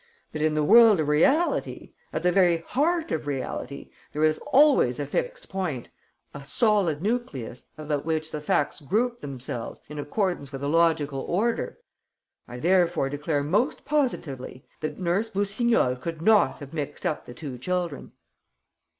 But, in the world of reality, at the very heart of reality, there is always a fixed point, a solid nucleus, about which the facts group themselves in accordance with a logical order. I therefore declare most positively that Nurse Boussignol could not have mixed up the two children."